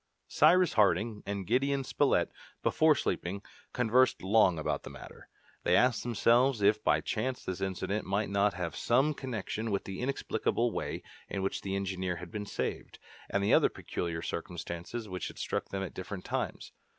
Cyrus Harding and Gideon Spilett, before sleeping, conversed long about the matter. They asked themselves if by chance this incident might not have some connection with the inexplicable way in which the engineer had been saved, and the other peculiar circumstances which had struck them at different times.